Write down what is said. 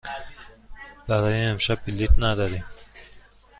برای امشب بلیط نداریم.